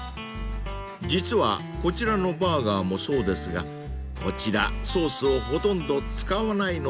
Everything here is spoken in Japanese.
［実はこちらのバーガーもそうですがこちらソースをほとんど使わないのだとか］